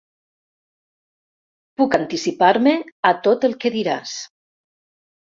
Puc anticipar-me a tot el que diràs.